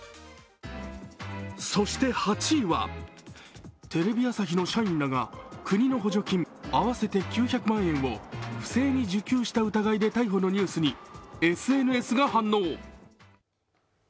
そして８位はテレビ朝日の社員らが国の補助金合わせて９００万円を不正に受給した疑いで逮捕のニュースにＳＮＳが反応。